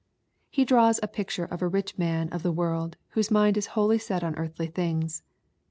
He draws the picture of a rich man of the world, whose mind is wholly set on earthly things.